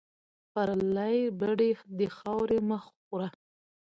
پرلې بډۍ دې خاورې مه خوره